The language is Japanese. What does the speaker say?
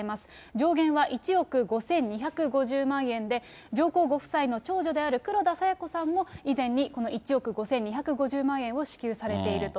上限は１億５２５０万円で、上皇ご夫妻の長女である黒田清子さんも、以前にこの１億５２５０万円を支給されていると。